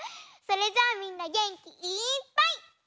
それじゃあみんなげんきいっぱいいってみよう！